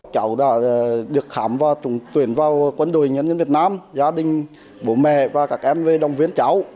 cháu đã được khám và tuyển vào quân đội nhân dân việt nam gia đình bố mẹ và các em về đồng viên cháu